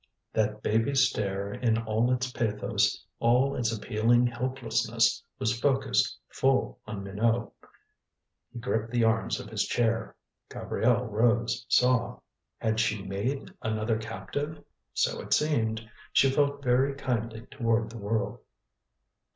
That baby stare in all its pathos, all its appealing helplessness, was focused full on Minot. He gripped the arms of his chair. Gabrielle Rose saw. Had she made another captive? So it seemed. She felt very kindly toward the world.